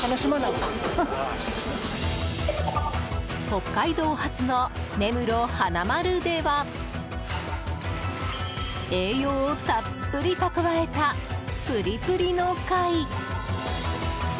北海道発の根室花まるでは栄養をたっぷり蓄えたプリプリの貝。